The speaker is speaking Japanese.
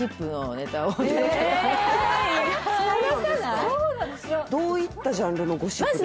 意外どういったジャンルのゴシップですか？